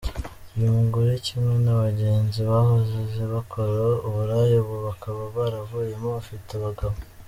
Uyu mugore kimwe na bagenzi bahoze bakora uburaya ubu bakaba baravuyemo bafite bagabo.